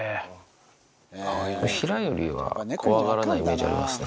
平よりは怖がらないイメージありますよね。